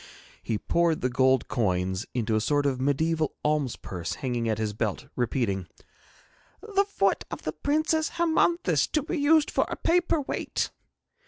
He poured the gold coins into a sort of mediaeval alms purse hanging at his belt, repeating: 'The foot of the Princess Hermonthis to be used for a paper weight!'